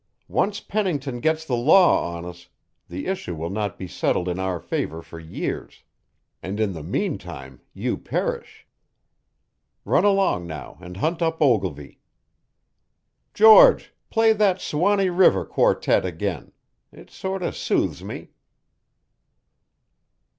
Once Pennington gets the law on us, the issue will not be settled in our favour for years; and in the meantime you perish. Run along now and hunt up Ogilvy. George, play that 'Suwannee River' quartet again. It sort o' soothes me."